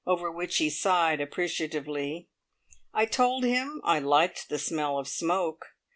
over which he sighed appreciatively. I told him I liked the smell of smoke.